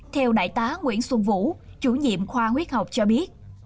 theo đại tá nguyễn xuân vũ chủ nhiệm khoa huyết học cho biết